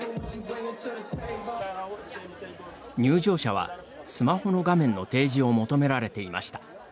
入場者はスマホの画面の提示を求められていました。